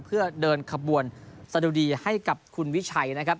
เพื่อเดินขบวนสะดุดีให้กับคุณวิชัยนะครับ